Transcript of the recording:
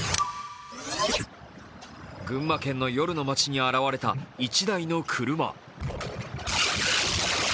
群馬県の夜の街に現れた１台の車。